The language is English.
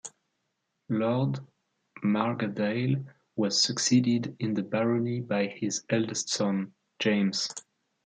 Lord Margadale was succeeded in the barony by his eldest son, James.